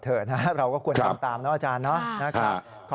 เถอะนะเราก็ควรทำตามเนาะอาจารย์นะขอบคุณ